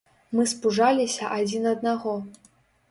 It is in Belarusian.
Мы спужаліся адзін аднаго.